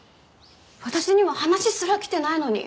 私には話すら来てないのに！